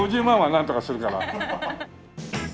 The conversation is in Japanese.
５０万はなんとかするから。